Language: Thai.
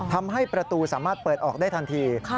ทำให้ประตูสามารถเปิดออกได้ทันที